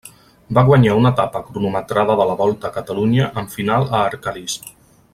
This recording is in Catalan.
Va guanyar una etapa cronometrada de la Volta a Catalunya amb final a Arcalís.